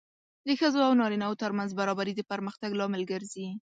د ښځو او نارینه وو ترمنځ برابري د پرمختګ لامل ګرځي.